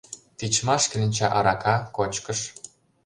Тичмаш кленча арака, кочкыш.